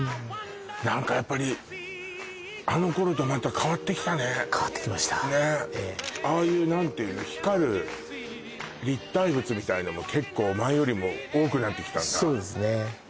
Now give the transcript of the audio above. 何かやっぱりあの頃とまた変わってきたね変わってきましたええねえああいう何ていうの光る立体物みたいなの結構前よりも多くなってきたんだそうですね